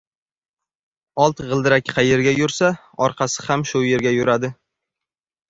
• Old g‘ildirak qayerga yursa, orqasi ham shu yerga yuradi.